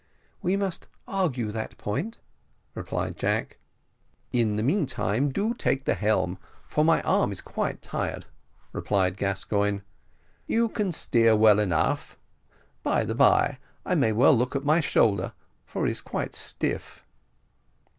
"We must argue that point," replied Jack. "In the meantime, do you take the helm, for my arm is quite tired," replied Gascoigne: "you can steer well enough; by the bye, I may as well look at my shoulder, for it is quite stiff."